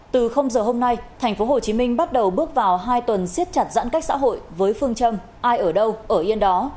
từ giờ hôm nay tp hcm bắt đầu bước vào hai tuần siết chặt giãn cách xã hội với phương châm ai ở đâu ở yên đó